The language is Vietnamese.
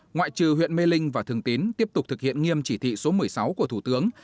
ngoại trừ huyện mê linh và thường tín tiếp tục thực hiện nghiêm chỉ thị số một mươi sáu của thủ tướng